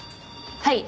はい。